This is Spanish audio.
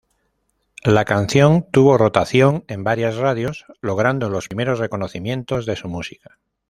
La canción tuvo rotación en varias radios, logrando los primeros reconocimientos de su música.